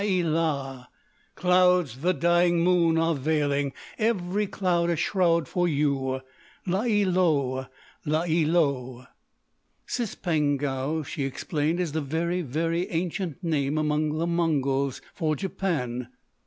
_ La ē la! Clouds the dying moon are veiling, Every cloud a shroud for you! La ē lou! La ē lou!" "Cispangou," she explained, "is the very, very ancient name, among the Mongols, for Japan."